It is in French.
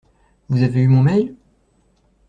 Vous avez eu mon mail ?